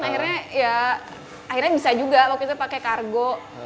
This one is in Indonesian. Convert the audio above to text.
akhirnya ya akhirnya bisa juga waktu itu pakai kargo